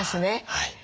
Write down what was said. はい。